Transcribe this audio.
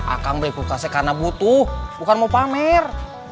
akang beli kulkasnya karena butuh bukan mau pamer